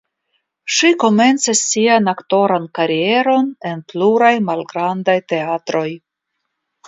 Ŝi komencis sian aktoran karieron en pluraj malgrandaj teatroj.